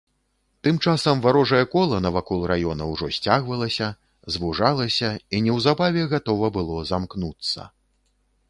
Тым часам варожае кола навакол раёна ўжо сцягвалася, звужалася і неўзабаве гатова было замкнуцца.